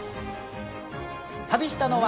旅したのは。